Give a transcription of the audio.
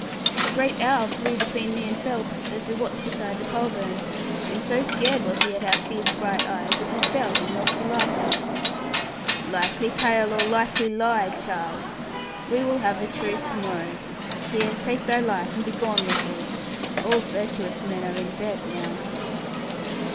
'A great owl flew between me and Phelps, as we watched beside the culvern, and so scared was he at our fierce bright eyes that he fell and knocked the light out.' 'Likely tale, or likely lie, Charles! We will have the truth to morrow. Here take thy light, and be gone with thee. All virtuous men are in bed now.'